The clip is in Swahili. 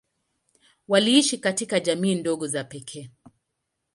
Waliishi katika jamii ndogo za pekee.